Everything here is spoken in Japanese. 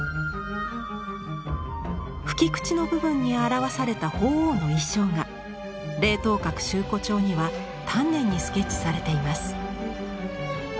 吹き口の部分に表された鳳凰の意匠が「聆涛閣集古帖」には丹念にスケッチされています。